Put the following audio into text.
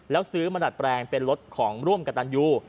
แล้วซื้อมาดัดแปลงเป็นรถของร่วมกับตันยู